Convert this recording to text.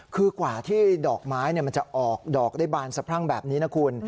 คือกว่าที่ดอกไม้มันจะออกดอกได้บานสะพรั่งแบบนี้นะคุณ